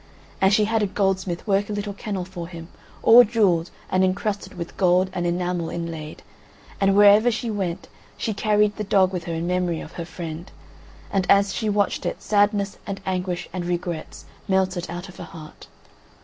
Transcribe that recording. And she had a goldsmith work a little kennel for him, all jewelled, and incrusted with gold and enamel inlaid; and wherever she went she carried the dog with her in memory of her friend, and as she watched it sadness and anguish and regrets melted out of her heart.